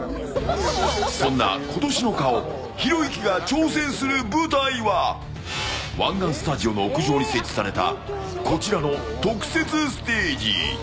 そんな今年の顔ひろゆきが挑戦する舞台は湾岸スタジオの屋上に設置されたこちらの特設ステージ。